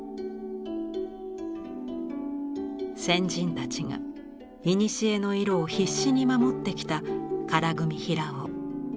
先人たちがいにしえの色を必死に守ってきた唐組平緒。